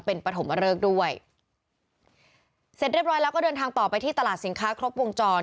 เป็นปฐมเริกด้วยเสร็จเรียบร้อยแล้วก็เดินทางต่อไปที่ตลาดสินค้าครบวงจร